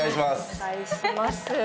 お願いします。